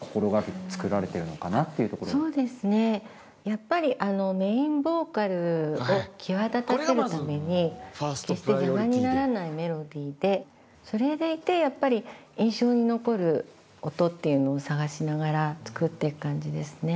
やっぱりメインボーカルを際立たせるために決して邪魔にならないメロディーでそれでいてやっぱり印象に残る音っていうのを探しながら作っていく感じですね。